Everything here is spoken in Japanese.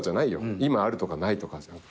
今あるとかないとかじゃなくて。